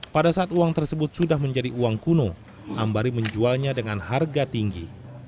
pada saat uang tersebut sudah menjadi uang kuno ambari menjualnya dengan harga tinggi